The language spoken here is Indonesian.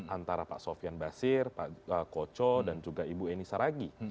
antara pak sofian basir pak koco dan juga ibu eni saragi